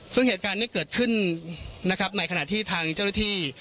ซึ่งเหตุการณ์นี้เกิดขึ้นนะครับในขณะที่ทางเจ้าหน้าที่